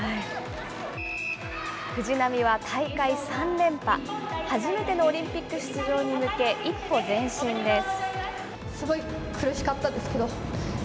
藤波は大会３連覇、初めてのオリンピック出場に向け、一歩前進です。